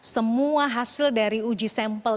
semua hasil dari uji sampel